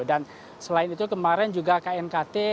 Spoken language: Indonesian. dan selain itu kemarin juga knkt